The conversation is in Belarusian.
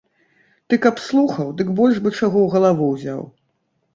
Ты каб слухаў, дык больш бы чаго ў галаву ўзяў.